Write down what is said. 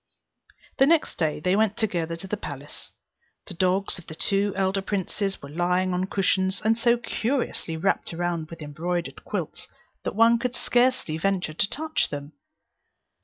The next day they went together to the palace. The dogs of the two elder princes were lying on cushions, and so curiously wrapped around with embroidered quilts, that one would scarcely venture to touch them.